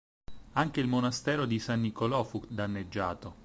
Anche il monastero di San Nicolò fu danneggiato.